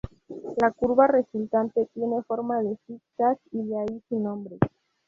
La curva resultante tiene forma de zig-zag, y de ahí su nombre.